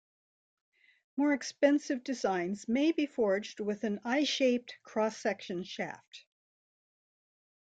More expensive designs may be forged with an I-shaped cross-section shaft.